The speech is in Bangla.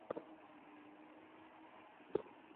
তাই আজ আমি আবার তোমার নিকট তাহা বলিতেছি।